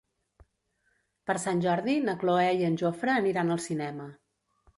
Per Sant Jordi na Cloè i en Jofre aniran al cinema.